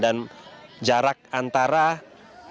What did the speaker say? dan jarak antara mobil memadamkan angin ini juga membuat petugas kesulitan